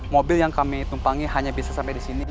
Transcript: mobil yang kami tumpangi hanya bisa sampai di sini